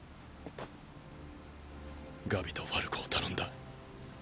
ガビとファルコを頼んだ。